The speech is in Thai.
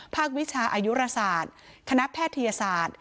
วิชาอายุราศาสตร์คณะแพทยศาสตร์